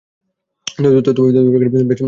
তবে অওরা বেশ কলহপ্রিয়।